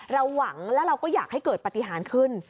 เราหวังแล้วเราก็อยากให้เกิดปฏิหารขึ้น